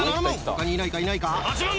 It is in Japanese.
他にいないかいないか？